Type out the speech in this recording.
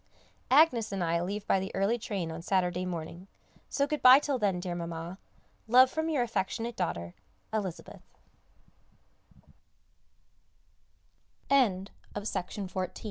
Agnès and I leave by the early train on Saturday morning, so good bye till then, dear Mamma; love from your affectionate daughter, Elizabe